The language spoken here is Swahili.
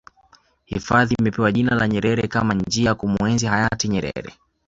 hifadhi imepewa jina la nyerere Kama njia ya kumuenzi hayati nyerere